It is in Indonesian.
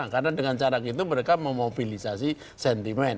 karena dengan cara gitu mereka memobilisasi sentimen